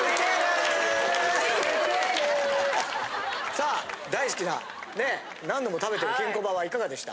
さあ大好きなねえ何度も食べてるケンコバはいかがでした？